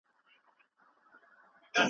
هېڅوک د ناپوهه کسانو مشوره نه مني.